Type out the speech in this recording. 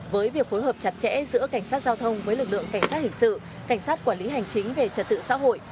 với việc phối hợp chặt chẽ giữa cảnh sát giao thông với lực lượng cảnh sát hình sự cảnh sát quản lý hành chính về trật tự xã hội